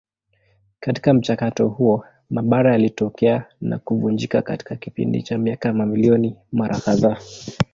Katika mchakato huo mabara yalitokea na kuvunjika katika kipindi cha miaka mamilioni mara kadhaa.